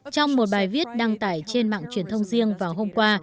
trong một bài viết đăng tải trên mạng truyền thông riêng vào hôm qua